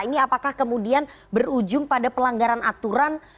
ini apakah kemudian berujung pada pelanggaran aturan